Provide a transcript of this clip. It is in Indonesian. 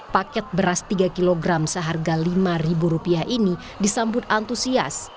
paket beras tiga kg seharga rp lima ini disambut antusias